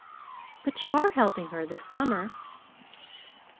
"But you are helping her this summer."